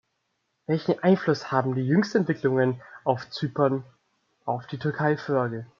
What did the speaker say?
Welchen Einfluss haben die jüngsten Entwicklungen auf Zypern auf die Türkeifrage?